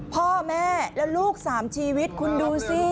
พ่อแม่และลูก๓ชีวิตคุณดูสิ